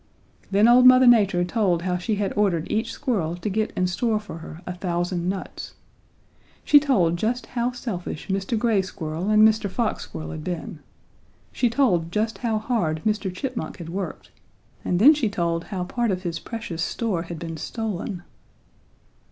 "Then old Mother Nature told how she had ordered each squirrel to get and store for her a thousand nuts. She told just how selfish Mr. Gray Squirrel and Mr. Fox Squirrel had been. She told just how hard Mr. Chipmunk had worked and then she told how part of his precious store had been stolen.